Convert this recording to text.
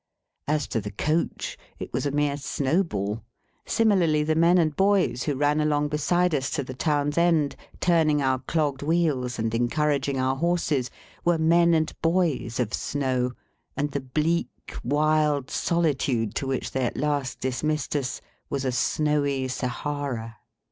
As to the coach, it was a mere snowball; similarly, the men and boys who ran along beside us to the town's end, turning our clogged wheels and encouraging our horses, were men and boys of snow; and the bleak wild solitude to which they at last dismissed us was a snowy Sahara.